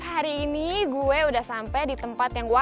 hari ini gue udah sampai di tempat yang wajib